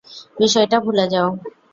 বিষয়টা ভুলে যাও।